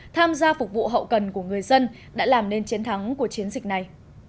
tham gia phục vụ hậu cần của người dân đã làm nên chiến thắng của chiến dịch này